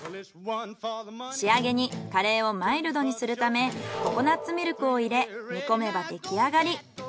仕上げにカレーをマイルドにするためココナッツミルクを入れ煮込めば出来上がり。